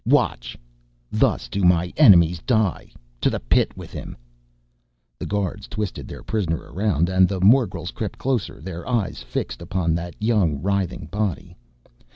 "Watch! Thus do my enemies die. To the pit with him!" The guards twisted their prisoner around and the morgels crept closer, their eyes fixed upon that young, writhing body.